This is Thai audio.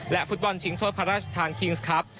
ฟุตบอลชิงถ้วยพระราชทานคิงส์ครับ